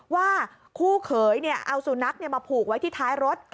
ว่าคู่เขยเอาสุนัขมาผูกไว้ที่ท้ายรถ